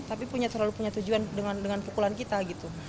tapi terlalu punya tujuan dengan pukulan kita gitu